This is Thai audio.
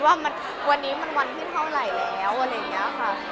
ว่าวันนี้มันวันที่เท่าไหร่แล้วอะไรอย่างนี้ค่ะ